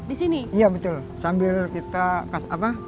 dan ini tempat mereka suka berkumpul disini ya pak